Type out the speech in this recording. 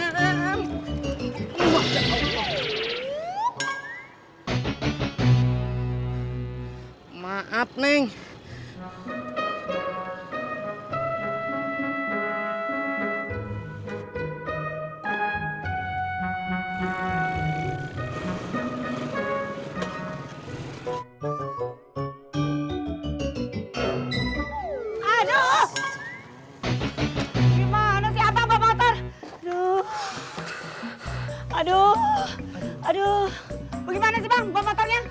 bagaimana sih bang bapak motornya